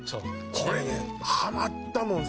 これねハマったもん